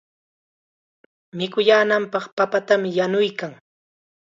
Mikuyaananpaq papatam yanuykan.